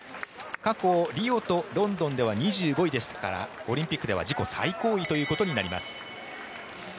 過去リオとロンドンでは２５位でしたからオリンピックでは自己最高位ということになります。